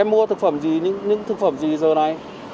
mua thực phẩm gì những thực phẩm gì giờ này